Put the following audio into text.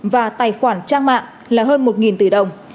và tài khoản trang mạng là hơn một tỷ đồng